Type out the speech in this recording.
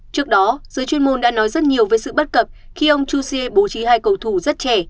trước đó giới chuyên môn đã nói rất nhiều về sự bất cập khi ông chu xie bố trí hai cầu thủ rất trẻ